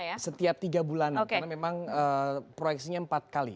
iya setiap tiga bulan karena memang proyeksinya empat kali